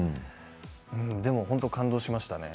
でも本当に感動しましたね。